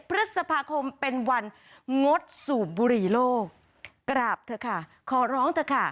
พฤษภาคมเป็นวันงดสูบบุหรี่โลกกราบเถอะค่ะขอร้องเถอะค่ะ